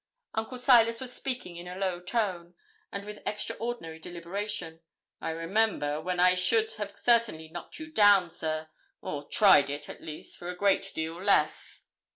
Uncle Silas was speaking in a low tone, and with extraordinary deliberation. 'I remember when I should have certainly knocked you down, sir, or tried it, at least, for a great deal less.'